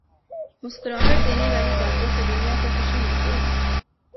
مسکراہٹ دینے والی باتوں سے دنیا کو خوشی ملتی ہے۔